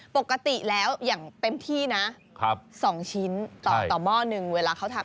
ปกติแล้วอย่างเต็มที่นะ๒ชิ้นต่อหม้อหนึ่งเวลาเขาทำ